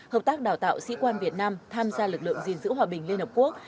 hợp tác đào tạo sĩ quan việt nam tham gia lực lượng gìn giữ hòa bình liên hợp quốc